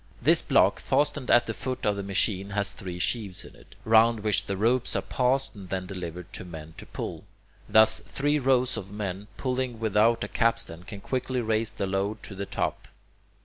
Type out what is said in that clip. This block fastened at the foot of the machine has three sheaves in it, round which the ropes are passed and then delivered to men to pull. Thus, three rows of men, pulling without a capstan, can quickly raise the load to the top.